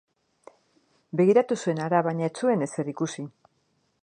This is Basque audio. Begiratu zuen hara, baina ez zuen ezer ikusi.